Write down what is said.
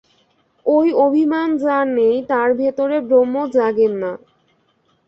ঐ অভিমান যার নেই, তার ভেতরে ব্রহ্ম জাগেন না।